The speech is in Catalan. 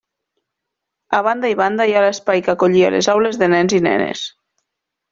A banda i banda hi ha l'espai que acollia les aules de nens i nenes.